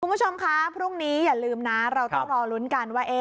คุณผู้ชมคะพรุ่งนี้อย่าลืมนะเราต้องรอลุ้นกันว่า